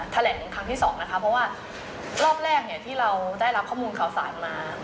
แถลงครั้งที่สองนะคะเพราะว่ารอบแรกที่เราได้รับข้อมูลข่าวสารมา